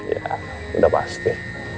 ya udah pasti